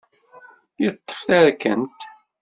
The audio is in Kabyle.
Yeṭṭef tarkent.